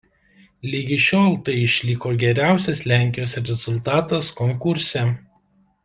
Ligi šiol tai išliko geriausias Lenkijos rezultatas konkurse.